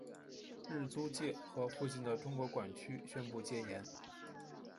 日租界和附近的中国管区宣布戒严。